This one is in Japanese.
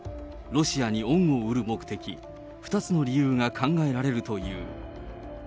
ロシアに恩を売る目的、２つの理由が考えられるという。